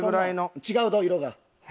違うど色が。